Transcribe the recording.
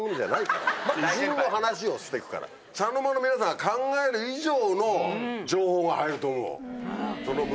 茶の間の皆さんが考える以上の情報が入ると思う。